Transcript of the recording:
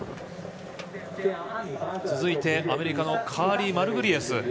続いてアメリカのカーリー・マルグリエス。